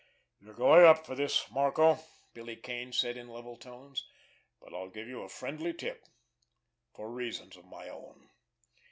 "You're going up for this, Marco," Billy Kane said in level tones. "But I'll give you a friendly tip—for reasons of my own.